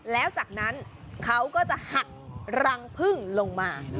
แล้วจากนั้นเขาก็จะหักรังพึ่งลงมา